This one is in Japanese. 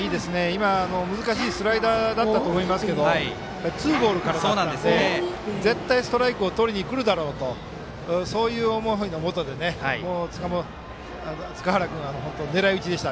今、難しいスライダーだったと思いますけどツーボールからなんで絶対にストライクをとりにくるだろうとそういう思いのもとで塚原君、本当、狙い打ちでした。